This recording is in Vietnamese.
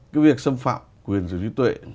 cái việc xâm phạm quyền trừ trí tuệ